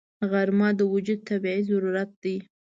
غرمه د وجود طبیعي ضرورت دی